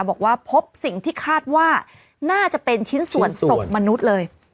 บอกว่าพบสิ่งที่คาดว่าน่าจะเป็นชิ้นส่วนศพมนุษย์เลย